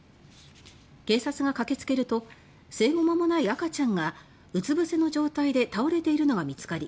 警察が駆け付けると生後間もない赤ちゃんがうつぶせの状態で倒れているのが見つかり